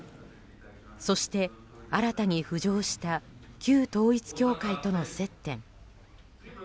そして新たに浮上した旧統一教会との接点。